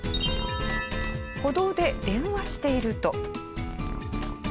歩道で電話していると。